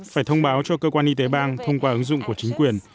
phải thông báo cho cơ quan y tế bang thông qua ứng dụng của chính quyền